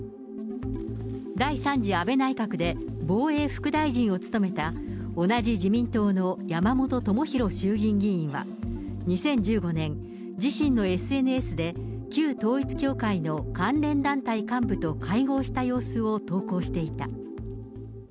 第３次安倍内閣で防衛副大臣を務めた、同じ自民党の山本朋広衆議院議員は、２０１５年、自身のＳＮＳで、旧統一教会の関連団体幹部と会合した様子を投稿していた。